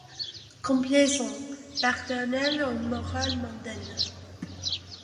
Complaisant ; paternel aux morales mondaines ;